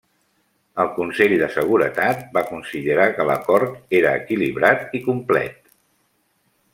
El Consell de Seguretat va considerar que l'acord era equilibrat i complet.